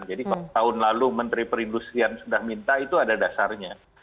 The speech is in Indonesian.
jadi kalau tahun lalu menteri perindustrian sudah minta itu ada dasarnya